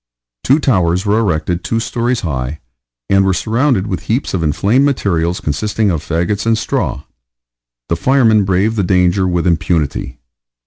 Two towers were erected two stories high, and were surrounded with heaps of inflamed materials consisting of fagots and straw. The firemen braved the danger with impunity.